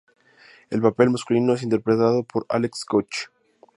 El papel masculino es interpretado por Alex Koch.